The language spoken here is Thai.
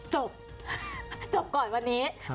จบจบก่อนวันนี้